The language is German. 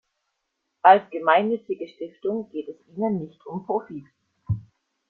Als gemeinnützige Stiftung geht es ihnen nicht um Profit.